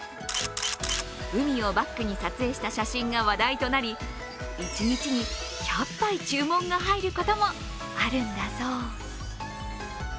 海をバックに撮影した写真が話題となり、一日に１００杯注文が入ることもあるんだそう。